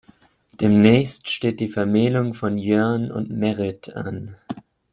Demnächst steht die Vermählung von Jörn und Merit an.